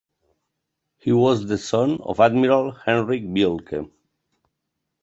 He was the son of Admiral Henrik Bielke.